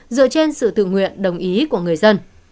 dựa trên sự tự nguyện đồng ý của người dân